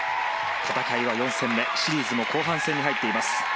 戦いは４戦目シリーズも後半戦に入っています。